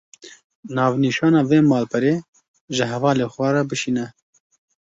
Navnîşana vê malperê, ji hevalê xwe re bişîne